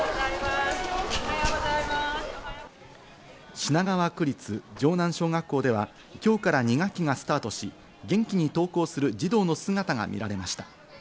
品川区立城南小学校では、今日から２学期がスタートし、元気に登校する児童の姿が見られました。